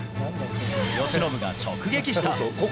由伸が直撃した。